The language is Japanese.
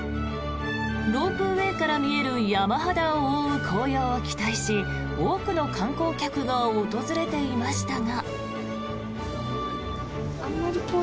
ロープウェーから見える山肌を覆う紅葉を期待し多くの観光客が訪れていましたが。